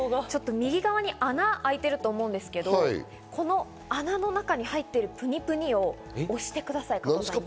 右側に穴が開いてると思うんですけど、この穴の中に入っているぷにぷにを押してください。